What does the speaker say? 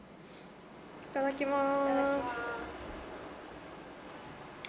いただきます。